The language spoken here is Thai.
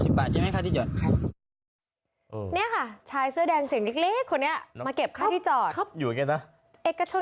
ตกลงยืนยันใช่ไหมว่าเป็นพื้นที่ส่วนบุคคล